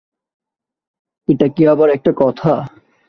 এটা কি আবার একটা কথা।